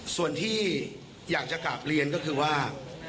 ส่วนที่อยากจะกลับเรียนก็คือว่า